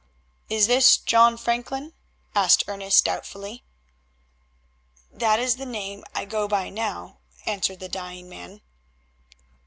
"Is this John Franklin?" asked Ernest doubtfully. "That is the name I go by now," answered the dying man.